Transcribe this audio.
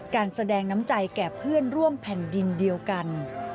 การแสดงน้ำใจแก่เพื่อนร่วมแผ่นดินเดียวกัน